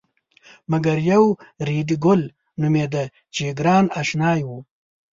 مګر یو ریډي ګل نومېده چې ګران اشنای و.